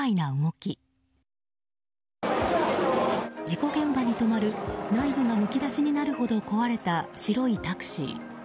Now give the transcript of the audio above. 事故現場に止まる内部がむき出しになるほど壊れた白いタクシー。